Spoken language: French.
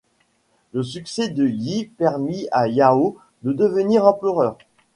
Le succès de Yi permit à Yao de devenir empereur.